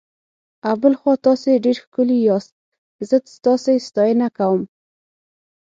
او بل خوا تاسي ډېر ښکلي یاست، زه ستاسي ستاینه کوم.